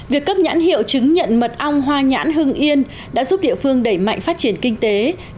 việc cấp nhãn hiệu chứng nhận mật ong hoa nhãn hưng yên đã giúp địa phương đẩy mạnh phát triển kinh tế